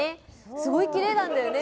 すごいきれいなんだよね。